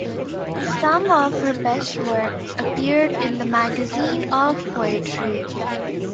Some of her best work appeared in the "Magazine of Poetry".